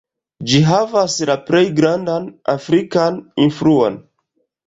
Ĝi havas la plej grandan afrikan influon.